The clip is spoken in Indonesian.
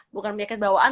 bukan penyakit bawaan